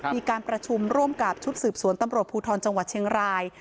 มีการประชุมร่วมกับชุดสืบสวนตำรวจภูทรจังหวัดเชียงราย